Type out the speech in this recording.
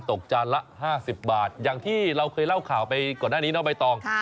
จานละ๕๐บาทอย่างที่เราเคยเล่าข่าวไปก่อนหน้านี้น้องใบตอง